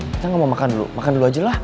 kita ga mau makan dulu makan dulu ajalah